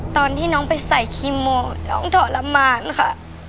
ตอนที่น้องไปใส่คีโมน้องทรมานค่ะ